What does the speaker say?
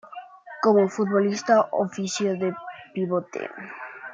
Como futbolista, ofició de pivote.